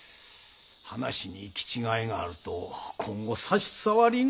話に行き違いがあると今後差し障りがあろうかと。